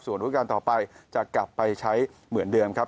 ส่วนรูปการณ์ต่อไปจะกลับไปใช้เหมือนเดิมครับ